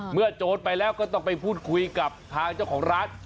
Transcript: โจรไปแล้วก็ต้องไปพูดคุยกับทางเจ้าของร้าน